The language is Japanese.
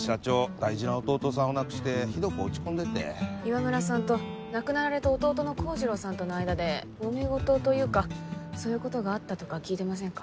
大事な弟さんを亡くしてひどく落ち込んでて岩村さんと亡くなられた弟の幸次郎さんとの間でもめごとというかそういうことがあったとか聞いてませんか？